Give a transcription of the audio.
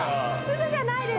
嘘じゃないです。